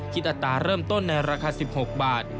อัตราเริ่มต้นในราคา๑๖บาท